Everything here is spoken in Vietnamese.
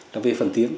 đặc biệt phần tiếng